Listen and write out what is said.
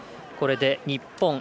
これで日本